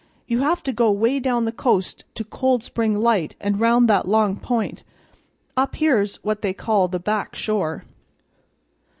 You have to go 'way down the co'st to Cold Spring Light an' round that long point, up here's what they call the Back Shore."